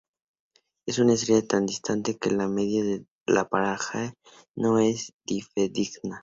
Es una estrella tan distante que la medida de su paralaje no es fidedigna.